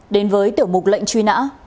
đến với tiểu mục lệnh truy nã